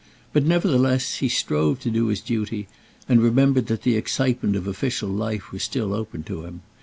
But, nevertheless, he strove to do his duty, and remembered that the excitement of official life was still open to him.